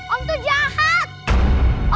om tuh jahat